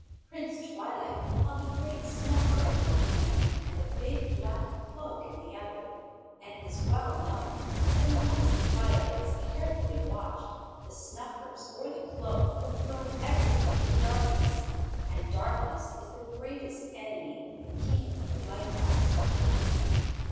Prince Twilight held a great snuffer in one hand and a big black cloak in the other, and it is well known that unless Twilight is carefully watched the snuffers or the cloak will throw everything into darkness, and Darkness is the greatest enemy the King of the Light Elves has.